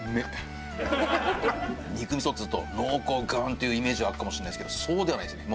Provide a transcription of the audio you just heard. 肉みそっつうと濃厚ガーンっていうイメージがあるかもしれないですけどそうではないですね。